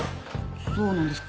そうなんですよ。